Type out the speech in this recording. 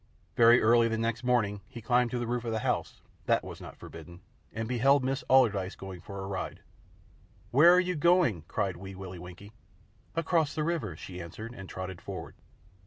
Very early the next morning he climbed on to the roof of the house that was not forbidden and beheld Miss Allardyce going for a ride. "Where are you going?" cried Wee Willie Winkie. "Across the river," she answered, and trotted forward.